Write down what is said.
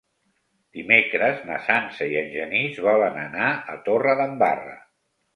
Dimecres na Sança i en Genís volen anar a Torredembarra.